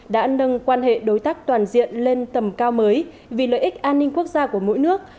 đã nâng quan hệ đối tác toàn diện lên tầm cao mới vì lợi ích an ninh quốc gia của mỗi nước